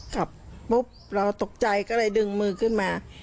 ขับปุ๊บเราตกใจก็เลยดึงมือขึ้นมา